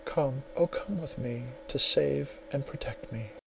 come, O come with me to save and protect me!"